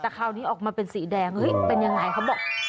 แต่คราวนี้ออกมาเป็นสีแดงเฮ้ยเป็นยังไงเขาบอก